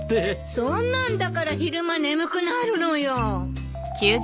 そんなんだから昼間眠くなるのよ。